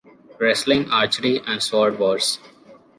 wrestling, archery, and sword wars